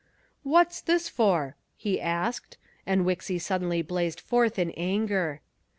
"What's this for?" he asked, and Wixy suddenly blazed forth in anger.